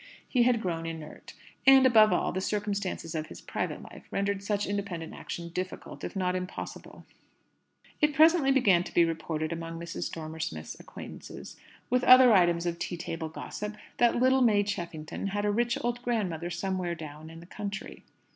He had grown inert. And, above all, the circumstances of his private life rendered such independent action difficult, if not impossible. It presently began to be reported amongst Mrs. Dormer Smith's acquaintance, with other items of tea table gossip, that "little May Cheffington had a rich old grandmother somewhere down in the country."